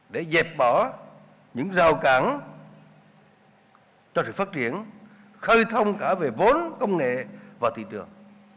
để dẹp bỏ những rào cản cho sự phát triển khơi thông cả về vốn công nghệ và thị trường